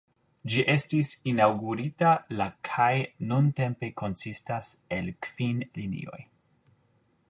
Ĝi estis inaŭgurita la kaj nuntempe konsistas el kvin linioj.